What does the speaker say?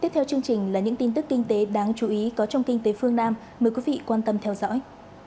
tiếp theo chương trình là những tin tức kinh tế đáng chú ý có trong kinh tế phương nam mời quý vị quan tâm theo dõi